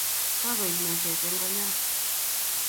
Kakoil meset en konyon